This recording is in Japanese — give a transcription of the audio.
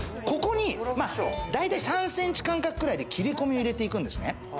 ここに、だいたい３センチくらいで切り込みを入れていくんですね。